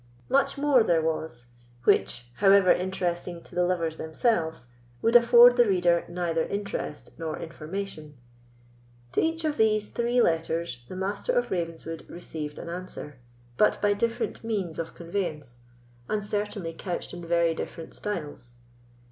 Much more there was, which, however interesting to the lovers themselves, would afford the reader neither interest nor information. To each of these three letters the Master of Ravenswood received an answer, but by different means of conveyance, and certainly couched in very different styles.